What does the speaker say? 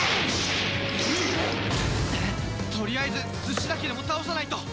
とりあえずスシだけでも倒さないと！